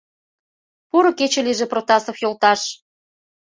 Поро кече лийже, Протасов йолташ!